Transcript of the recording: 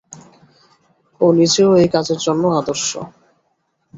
ও নিজেও এই কাজের জন্য আদর্শ।